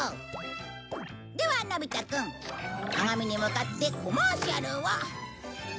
ではのび太くん鏡に向かってコマーシャルを。